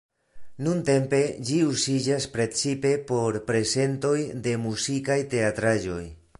Nuntempe ĝi uziĝas precipe por prezentoj de muzikaj teatraĵoj.